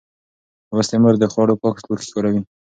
لوستې مور د خوړو پاک لوښي کاروي.